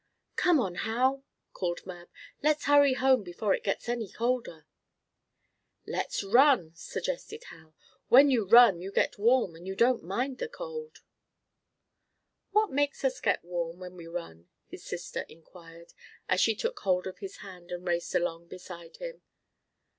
"Come on, Hal!" called Mab. "Let's hurry home before it gets any colder!" "Let's run!" suggested Hal. "When you run you get warm, and you don't mind the cold." "What makes us get warm when we run?" his sister inquired, as she took hold of his hand and raced along beside him.